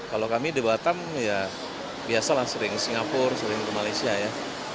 kalau kami di batam ya biasalah sering singapura sering ke malaysia ya